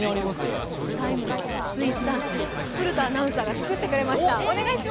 「ＴＨＥＴＩＭＥ，」のスイーツ男子古田アナウンサーが作ってきてくれました。